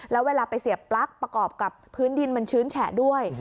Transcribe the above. แล้วเวลาไปเสียบปลั๊กประกอบกับพื้นดินมันชื้นแฉะด้วย